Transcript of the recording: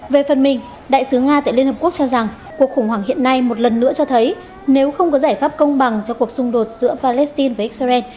về phần mình đại sứ nga tại liên hợp quốc cho rằng cuộc khủng hoảng hiện nay một lần nữa cho thấy nếu không có giải pháp công bằng cho cuộc xung đột giữa palestine và israel